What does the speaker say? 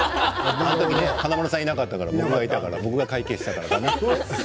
華丸さんがいなかったから僕が会計したから。